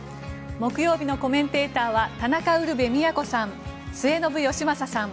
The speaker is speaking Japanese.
木曜日のコメンテーターは田中ウルヴェ京さん末延吉正さん